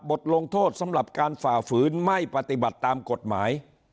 บทลงโทษสำหรับการฝ่าฝืนไม่ปฏิบัติตามกฎหมาย